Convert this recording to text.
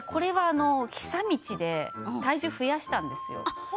久通で体重を増やしたんですよ。